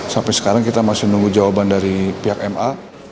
sampai sekarang kita masih menunggu jawaban dari pihak ma